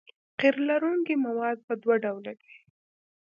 قیر لرونکي مواد په دوه ډوله دي